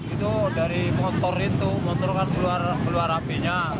itu dari motor itu menurunkan keluar apinya